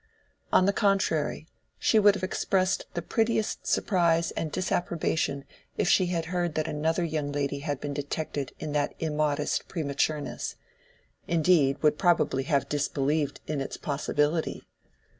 On the contrary, she would have expressed the prettiest surprise and disapprobation if she had heard that another young lady had been detected in that immodest prematureness—indeed, would probably have disbelieved in its possibility.